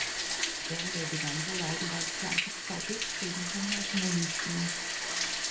Then they began to write about tragic topics taken from national history.